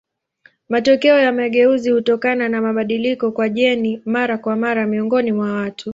Matokeo ya mageuzi hutokana na mabadiliko kwa jeni mara kwa mara miongoni mwa watu.